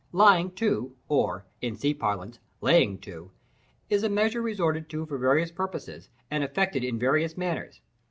Lying to, or, in sea parlance, "laying to," is a measure resorted to for various purposes, and effected in various manners.